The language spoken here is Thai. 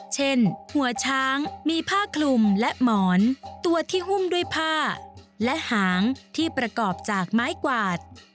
เช่นหัวช้างมีผ้าคลุมและหมอนตัวที่หุ้มด้วยผ้าและหางที่ประกอบจากไม้กวาด